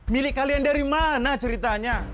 milih kalian dari mana ceritanya